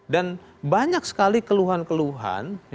dan banyak sekali keluhan keluhan